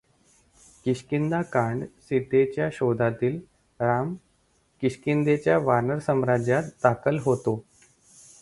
किष्किंधा कांड सीतेच्या शोधातील राम किष्किंधेच्या वानर साम्राज्यात दाखल होतो.